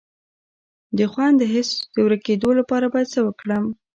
د خوند د حس د ورکیدو لپاره باید څه وکړم؟